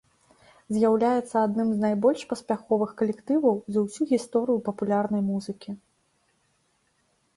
З'яўляецца адным з найбольш паспяховых калектываў за ўсю гісторыю папулярнай музыкі.